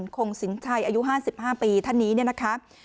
คงสิงห์ชัยอายุห้าสิบห้าปีท่านนี้เนี้ยนะคะ